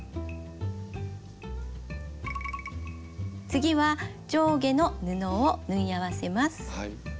次は上下の布を縫い合わせます。